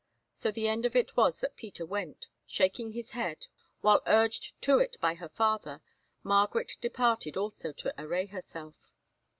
So the end of it was that Peter went, shaking his head, while, urged to it by her father, Margaret departed also to array herself.